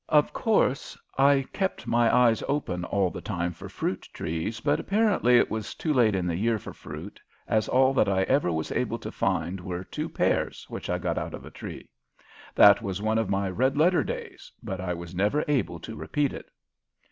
Of course, I kept my eyes open all the time for fruit trees, but apparently it was too late in the year for fruit, as all that I ever was able to find were two pears which I got out of a tree. That was one of my red letter days, but I was never able to repeat it.